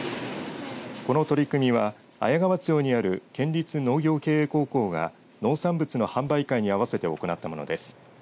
この取り組みは綾川町にある県立農業経営高校が農産物の販売会に合わせて行ったものです。